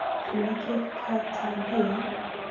خولەکێک کاتتان ھەیە؟